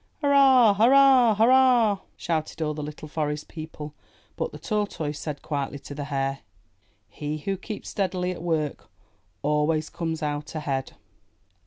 Hurrah! Hur rah! Hurrah!'* shouted all the little Forest People. But the Tortoise said quietly to the Hare: "He who keeps steadily at work always comes out ahead."